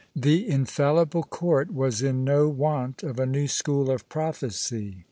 The infallible court was in no want of a new school of prophecy.